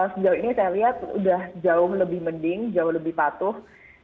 sejauh ini saya lihat sudah jauh lebih mending jauh lebih patuh